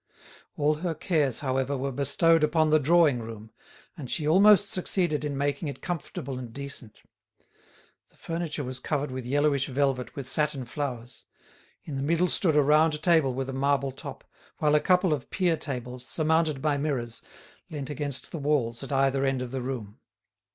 All her cares, however, were bestowed upon the drawing room, and she almost succeeded in making it comfortable and decent. The furniture was covered with yellowish velvet with satin flowers; in the middle stood a round table with a marble top, while a couple of pier tables, surmounted by mirrors, leant against the walls at either end of the room.